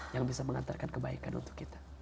yang bisa mengantarkan kebaikan untuk kita